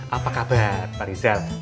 apa kabar pak rizal